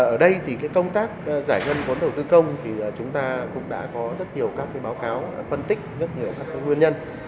ở đây thì công tác giải ngân vốn đầu tư công thì chúng ta cũng đã có rất nhiều các báo cáo phân tích rất nhiều các nguyên nhân